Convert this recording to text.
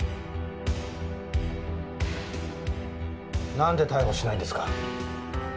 なんで逮捕しないんですか？